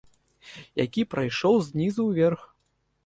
Які прайшоў знізу ўверх.